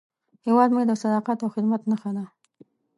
هیواد مې د صداقت او خدمت نښه ده